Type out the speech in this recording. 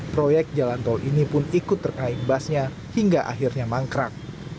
proyek jalan tol ini pun ikut terkait basnya hingga akhirnya mangkrak